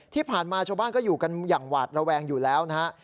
ที่ผ่านมาชาวบ้านก็อยู่กันอย่างหวาดระแวงอยู่แล้วนะฮะ